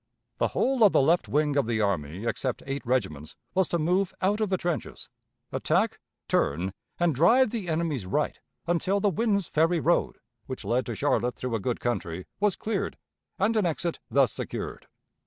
The whole of the left wing of the army except eight regiments was to move out of the trenches, attack, turn, and drive the enemy's right until the Wynn's Ferry road, which led to Charlotte through a good country, was cleared, and an exit thus secured.